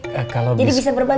jadi bisa berbagi